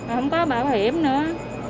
không có bảo hiểm nữa